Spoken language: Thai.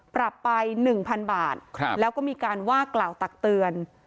ปรับไป๑๐๐๐บาทแล้วก็มีการว่ากล่าวตักเตือน